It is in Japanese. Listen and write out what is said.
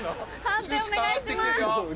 判定お願いします。